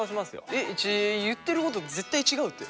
えっ言ってること絶対違うって。